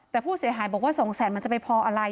แต่ผู้เสียหายบอกว่า๒แสนมันจะไปพออะไร